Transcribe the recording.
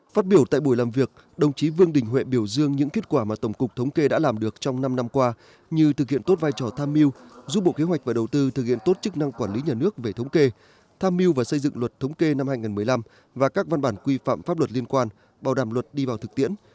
phát biểu tại buổi làm việc đồng chí vương đình huệ biểu dương những kết quả mà tổng cục thống kê đã làm được trong năm năm qua như thực hiện tốt vai trò tham mưu giúp bộ kế hoạch và đầu tư thực hiện tốt chức năng quản lý nhà nước về thống kê tham mưu và xây dựng luật thống kê năm hai nghìn một mươi năm và các văn bản quy phạm pháp luật liên quan bảo đảm luật đi vào thực tiễn